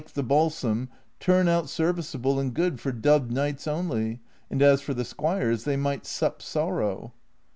119 the balsam, turn out serviceable aiul good for dubbed knights only, and as for the squires, they might sup sorrow."